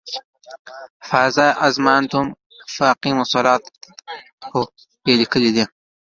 "فاذا اظماننتم فاقیموالصلواته" یې لیکلی دی.